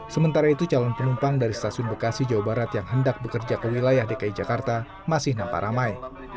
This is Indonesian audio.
sementara itu calon penumpang dari stasiun bekasi jawa barat yang hendak bekerja ke wilayah dki jakarta masih nampak ramai